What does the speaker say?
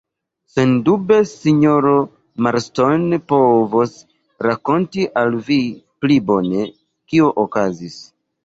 Sendube sinjoro Marston povos rakonti al vi pli bone, kio okazis.